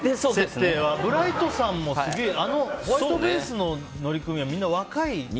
ブライトさんもあのホワイトベースの乗組員みんな若い。